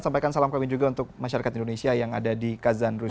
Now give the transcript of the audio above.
sampaikan salam kami juga untuk masyarakat indonesia yang ada di kazan rusia